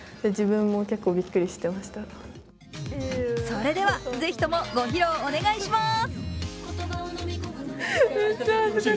それでは、ぜひともご披露お願いします。